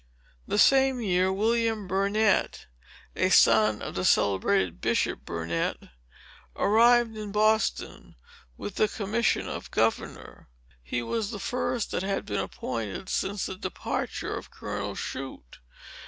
The same year, William Burnet, a son of the celebrated Bishop Burnet, arrived in Boston, with the commission of governor. He was the first that had been appointed since the departure of Colonel Shute.